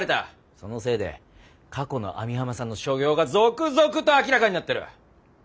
そのせいで過去の網浜さんの所業が続々と明らかになってる！